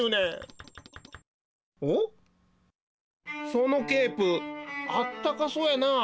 そのケープあったかそうやな。